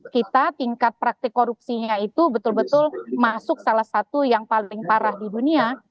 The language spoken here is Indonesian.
kita tingkat praktik korupsinya itu betul betul masuk salah satu yang paling parah di dunia